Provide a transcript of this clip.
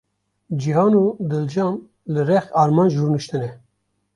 Cîhan û Dilcan li rex Armanc rûniştine.